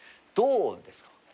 どうですか？